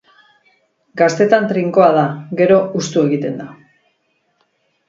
Gaztetan trinkoa da, gero hustu egiten da.